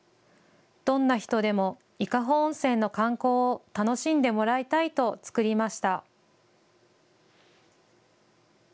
どんな人でも伊香保温泉の観光を楽しんでもらいたいと作りました。